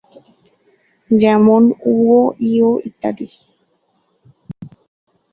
যেমন-ঙ, ঞ ইত্যাদি।